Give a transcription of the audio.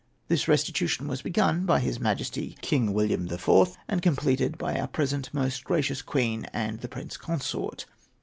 This restitution was begun by his Majesty King William IV., and completed by our present most gracious Queen and the Prince Consort.